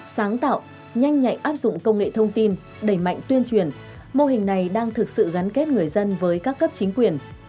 sáng tạo nhanh nhạy áp dụng công nghệ thông tin đẩy mạnh tuyên truyền mô hình này đang thực sự gắn kết người dân với các cấp chính quyền